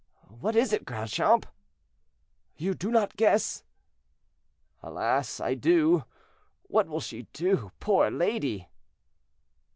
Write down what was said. What is it, Grandchamp?" "You do not guess?" "Alas! I do; what will she do, poor lady."